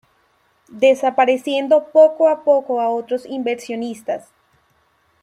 Desapareciendo poco a poco a otros inversionistas.